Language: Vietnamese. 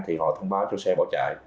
thì họ thông báo cho xe bỏ chạy